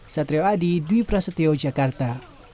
satrio adi dwi prasetyo jakarta